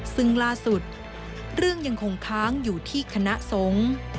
ซึ่งล่าสุดเรื่องยังคงค้างอยู่ที่คณะสงฆ์